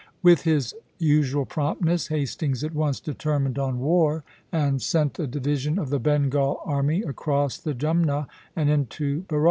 With his usual promptness, Hastings at once determined on war, and sent a division of the Bengal army across the Jumna and into Berar.